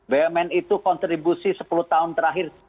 bumn itu kontribusi sepuluh tahun terakhir